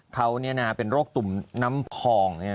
เขาเป็นโรคตุ่มน้ำพอง